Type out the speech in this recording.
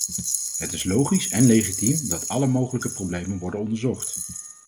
Het is logisch en legitiem dat alle mogelijke problemen worden onderzocht.